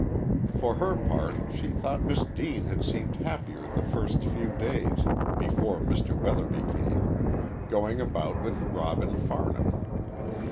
For her part, she thought Miss Deane had seemed happier the first few days, before Mr. Weatherby came, going about with Robin Farnham.